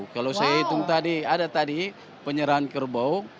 kalau saya hitung tadi ada tadi penyerahan kerbau